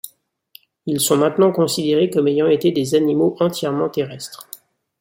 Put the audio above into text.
Ils sont maintenant considérés comme ayant été des animaux entièrement terrestres.